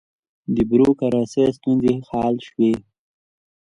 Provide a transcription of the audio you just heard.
د بروکراسۍ ستونزې حل شوې؟